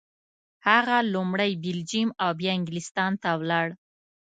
هغه لومړی بلجیم او بیا انګلستان ته ولاړ.